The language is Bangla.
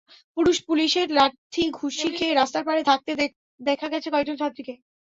পুরুষ পুলিশের লাথি-ঘুষি খেয়ে রাস্তায় পড়ে থাকতে দেখা গেছে কয়েকজন ছাত্রীকে।